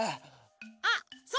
あっそうだ！